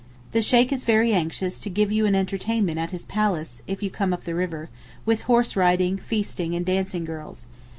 The Sheykh is very anxious to give you an entertainment at his palace, if you come up the river, with horse riding, feasting and dancing girls.